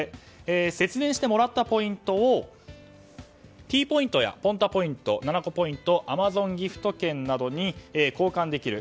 節電してもらったポイントをＴポイントやＰｏｎｔａポイントｎａｎａｃｏポイントアマゾンギフト券などに交換できる。